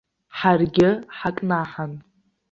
Ҳаргьы ҳакнаҳан.